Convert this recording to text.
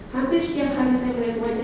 hampir setiap hari saya melihat wajah